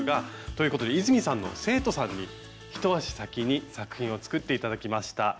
ということで泉さんの生徒さんに一足先に作品を作って頂きました。